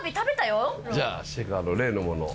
じゃあシェフあの例のものを。